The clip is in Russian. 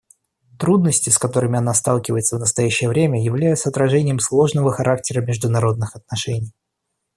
Трудности, с которыми она сталкивается в настоящее время, являются отражением сложного характера международных отношений.